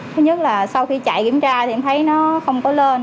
thứ nhất là sau khi chạy kiểm tra thì em thấy nó không có lên